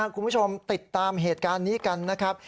คุณผู้ชมติดตามเหตุการณ์นี้กันนะครับ